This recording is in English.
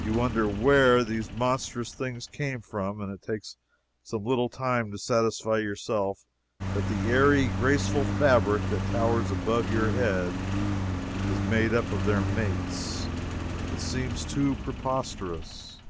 You wonder where these monstrous things came from, and it takes some little time to satisfy yourself that the airy and graceful fabric that towers above your head is made up of their mates. It seems too preposterous.